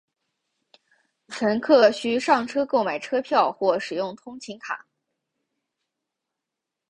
乘客需上车购买车票或使用通勤卡。